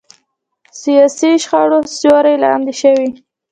سیاسي شخړو سیوري لاندې شوي.